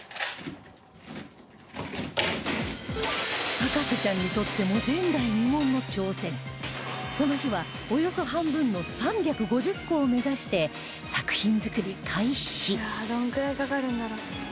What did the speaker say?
博士ちゃんにとってもこの日はおよそ半分の３５０個を目指して作品作り開始「いやあどれくらいかかるんだろう？」